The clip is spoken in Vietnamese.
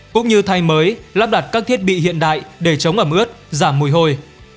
cũng như thay mới lắp đặt các thiết bị hiện đại để chống ẩm ướt giảm mùi hôi